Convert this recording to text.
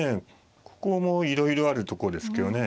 ここもいろいろあるとこですけどね。